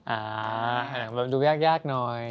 อาหนังดูแยกหน่อย